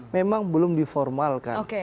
memang belum diformalkan